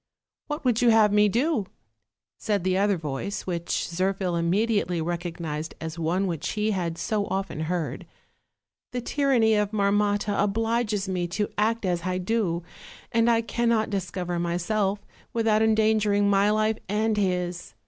"What would you have me do?" said the other voice, which Zirphil immediately recognized as one which he had so often heard; "the tyranny of Marmotta obliges me to act as I do, and I cannot discover myself without endangering my life and his.